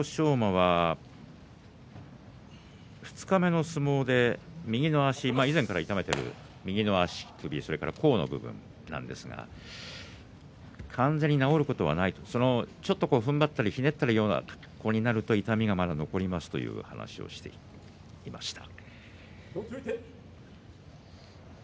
馬は二日目の相撲で右の足以前から痛めている右の足首、そして、甲の部分完全に治ることはないとちょっとふんばったりひねったりするような格好になると痛みがまだ残りますという話をしていました。